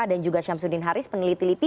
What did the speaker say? dan juga syamsuddin haris peneliti eliti